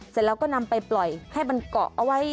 เสร็จแล้วก็นำไปปล่อยให้มันเกาะเอาไว้